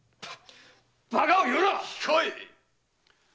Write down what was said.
バカを言うなっ‼控えい！